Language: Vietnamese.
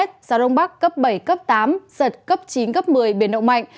gió đông bắc cấp bảy cấp tám giật cấp chín cấp một mươi biển động mạnh